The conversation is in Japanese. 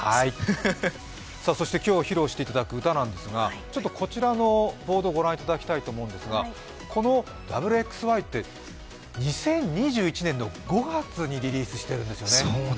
今日披露していただく歌ですが、こちらを御覧いただきたいんですが、「Ｗ／Ｘ／Ｙ」って２０２１年の５月にリリースしているんですよね。